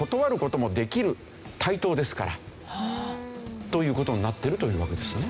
だからこれを。という事になってるというわけですね。